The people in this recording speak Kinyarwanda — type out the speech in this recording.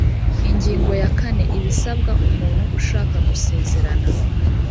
ingingo ya kane ibisabwa umuntu ushaka gusezerana